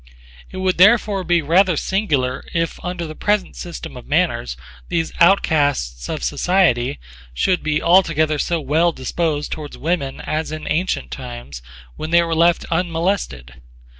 It would therefore be rather singular if under the present system of manners these outcasts of society should be altogether so well disposed towards women as in antient times when they were left unmolested.